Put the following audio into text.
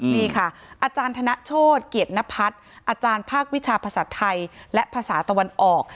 นี่ค่ะอาจารย์ธนโชธเกียรตินพัฒน์อาจารย์ภาควิชาภาษาไทยและภาษาตะวันออก